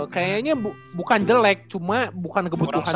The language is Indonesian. kayaknya bukan jelek cuma bukan kebutuhan